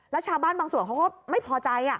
แล้วชาวบ้านบางส่วนเขาก็ไม่พอใจ